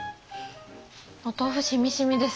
お豆腐しみしみです。